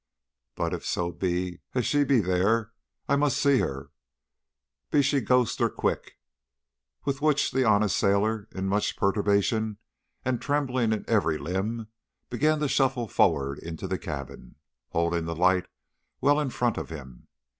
But if so be as she be there I must see her, be she ghost or quick;' with which the honest sailor, in much perturbation and trembling in every limb, began to shuffle forward into the cabin, holding the light well in front of him.